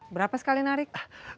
berapa sekali narik